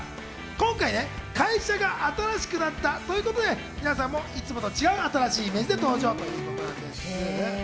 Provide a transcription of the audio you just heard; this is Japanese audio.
今回、会社が新しくなったということで、皆さんもいつもと違うイメージで登場ということです。